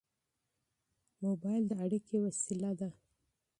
موبایل د اړیکې وسیله ده.